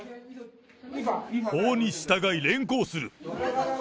法に従い、連行する。